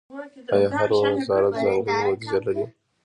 آیا هر وزارت ځانګړې بودیجه لري؟